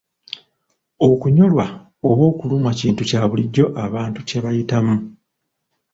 Okunyolwa oba okulumwa kintu kya bulijjo abantu kya bayitamu.